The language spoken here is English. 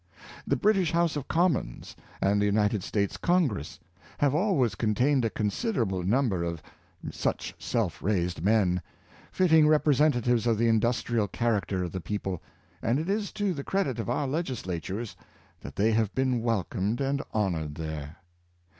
The British House of Commons and the United States Congress have always contained a considerable number of such self raised men — fitting representatives of the industrial character of the people, audit is to the credit of our Legislatures that they have been wel comed and honored there.